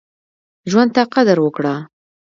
ژوند ته قدر وکړه.